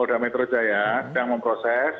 polda metro jaya sedang memproses